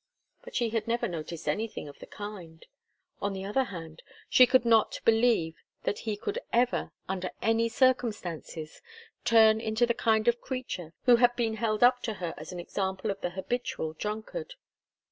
But she had never noticed anything of the kind. On the other hand, she could not believe that he could ever, under any circumstances, turn into the kind of creature who had been held up to her as an example of the habitual drunkard.